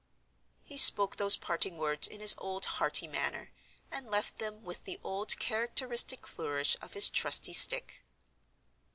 He spoke those parting words in his old hearty manner; and left them, with the old characteristic flourish of his trusty stick.